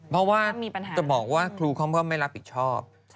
เพราะว่าจะบอกว่าครูเขาก็ไม่รับผิดชอบ